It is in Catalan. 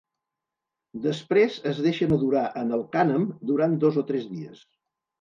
Després es deixa madurar en el cànem durant dos o tres dies.